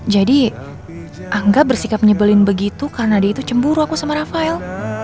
jadi angga bersikap menyebelin begitu karena dia itu cemburu aku sama rafael